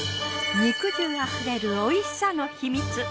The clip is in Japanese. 肉汁あふれるおいしさの秘密